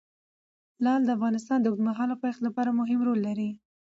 لعل د افغانستان د اوږدمهاله پایښت لپاره مهم رول لري.